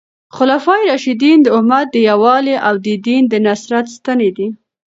خلفای راشدین د امت د یووالي او د دین د نصرت ستنې دي.